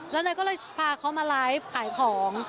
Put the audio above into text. แล้วนายก็เลยพาเขามาไลฟ์ขายของ